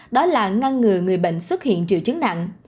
đó là ngăn ngừa người bệnh xuất hiện triệu chứng nặng